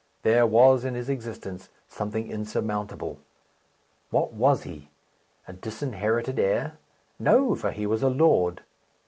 There was in his existence something insurmountable. What was he? A disinherited heir? No; for he was a lord.